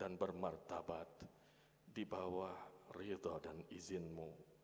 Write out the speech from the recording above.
dan bermertabat di bawah rida dan izinmu